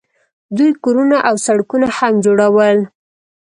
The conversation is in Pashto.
دوی کورونه او سړکونه هم جوړول.